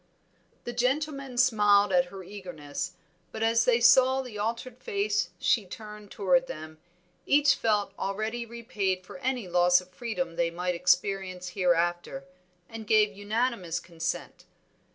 The gentlemen smiled at her eagerness, but as they saw the altered face she turned toward them, each felt already repaid for any loss of freedom they might experience hereafter, and gave unanimous consent.